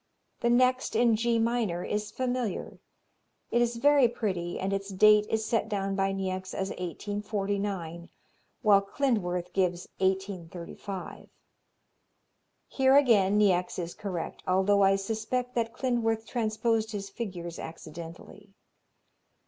The next, in G minor, is familiar. It is very pretty, and its date is set down by Niecks as 1849, while Klindworth gives 1835. Here again Niecks is correct, although I suspect that Klindworth transposed his figures accidentally.